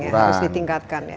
harus ditingkatkan ya